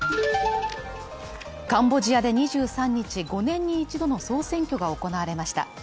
カンボジアで２３日、５年に１度の総選挙が行われました。